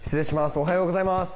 おはようございます。